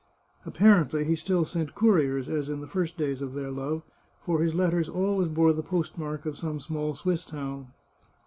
Apparently he still sent couriers, as in the first days of their love, for his letters always bore the postmark of some small Swiss town.